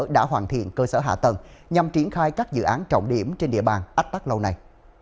đã hoàn thiện cơ sở hạ tầng nhằm triển khai các dự án trọng điểm trên địa bàn ách tắc lâu nay